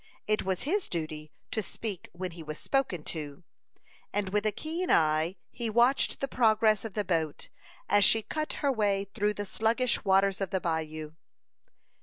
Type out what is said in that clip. It was his duty to speak when he was spoken to, and with a keen eye he watched the progress of the boat, as she cut her way through the sluggish waters of the bayou.